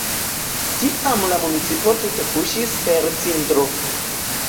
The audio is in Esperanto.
Tiam la municipo tute kuŝis per cindro.